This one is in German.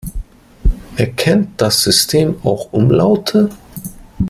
Erkennt das System auch Umlaute?